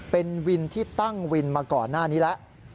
เป็นวินที่ตั้งวินมาก่อนหน้านี้แล้ว